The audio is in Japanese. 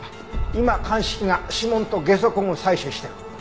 今鑑識が指紋とゲソ痕を採取してる。